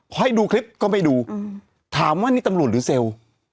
ให้ดูคลิปก็ไปดูถามว่านี่ตำรวจหรือเซลล์